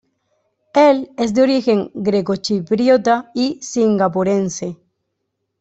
Él es de origen grecochipriota y singapurense.